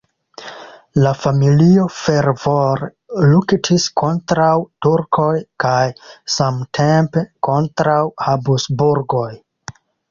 La familio fervore luktis kontraŭ turkoj kaj samtempe kontraŭ Habsburgoj.